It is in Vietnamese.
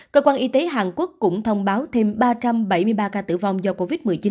cơ quan y tế hàn quốc cũng thông báo thêm ba trăm bảy mươi ba ca tử vong do covid một mươi chín